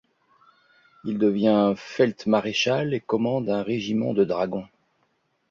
Il devient feld-maréchal et commande un régiment de dragons.